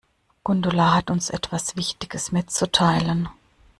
Gundula hat uns etwas wichtiges mitzuteilen.